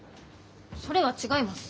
それは違います。